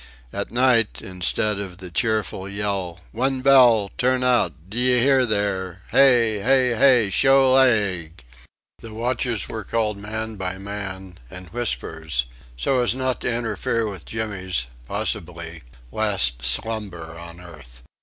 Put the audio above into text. At night, instead of the cheerful yell, "One bell! Turn out! Do you hear there? Hey! hey! hey! Show leg!" the watches were called man by man, in whispers, so as not to interfere with Jimmy's, possibly, last slumber on earth.